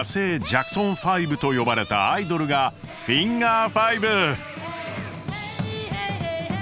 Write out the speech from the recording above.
「ジャクソン５」と呼ばれたアイドルが「フィンガー５」！